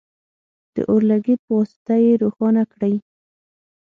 د اور لګیت په واسطه یې روښانه کړئ.